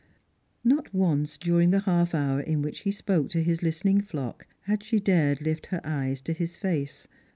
Not once during the half hour in which he spoke to his listening Hock had she dared lift her eyes to his face.